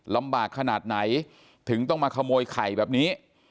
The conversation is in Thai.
ลำบากขนาดไหนถึงต้องมาขโมยไข่แบบนี้